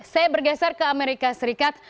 saya bergeser ke amerika serikat